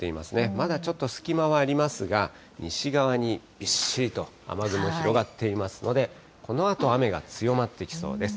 まだちょっと隙間はありますが、西側にびっしりと雨雲広がっていますので、このあと雨が強まってきそうです。